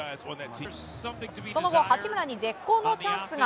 その後、八村に絶好のチャンスが。